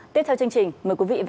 tiếp theo chương trình mời quý vị vào